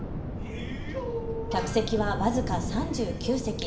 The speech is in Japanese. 客席は僅か３９席。